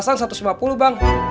kagak baik baik